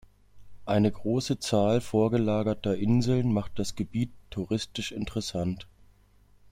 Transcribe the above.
Eine große Zahl vorgelagerter Inseln macht das Gebiet touristisch interessant.